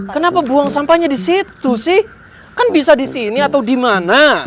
kenapa buang sampahnya di situ sih kan bisa di sini atau di mana